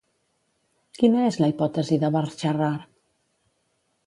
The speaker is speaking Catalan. Quina és la hipòtesi de Barr-Sharrar?